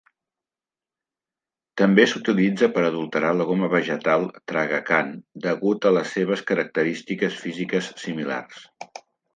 També s'utilitza per adulterar la goma vegetal tragacant degut a les seves característiques físiques similars.